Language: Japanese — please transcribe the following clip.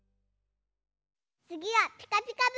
つぎは「ピカピカブ！」。